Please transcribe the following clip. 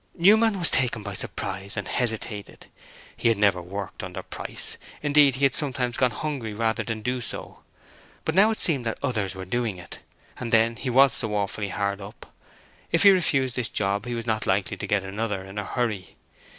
Newman was taken by surprise and hesitated. He had never worked under price; indeed, he had sometimes gone hungry rather than do so; but now it seemed that others were doing it. And then he was so awfully hard up. If he refused this job he was not likely to get another in a hurry.